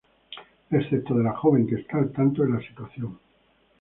Excepto de la joven, que está al tanto de la situación.